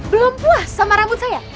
belum puas sama rambut saya